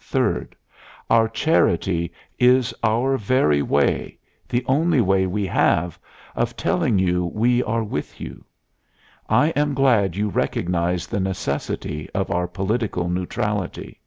Third Our charity is our very way the only way we have of telling you we are with you. I am glad you recognize the necessity of our political neutrality.